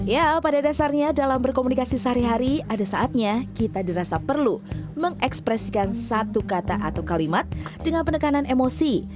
ya pada dasarnya dalam berkomunikasi sehari hari ada saatnya kita dirasa perlu mengekspresikan satu kata atau kalimat dengan penekanan emosi